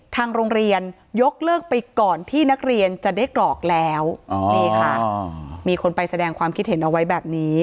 ทางโรงเรียนยกเลิกไปก่อนที่นักเรียนจะได้กรอกแล้วนี่ค่ะมีคนไปแสดงความคิดเห็นเอาไว้แบบนี้